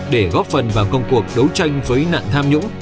để góp phần vào công cuộc đấu tranh với nạn tham nhũng